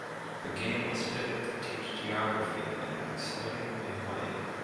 The game was pitted to teach geography in an "exciting new way".